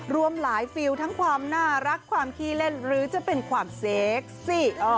รวมหลายฟิลทั้งความน่ารักความขี้เล่นหรือจะเป็นความเซ็กซี่